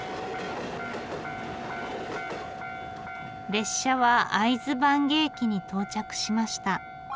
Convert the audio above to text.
列車は会津坂下駅に到着しました。